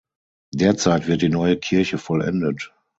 Derzeit wird die neue Kirche vollendet.